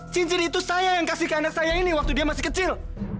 cincin itu saya yang kasih ke anak saya ini waktu dia masih kecil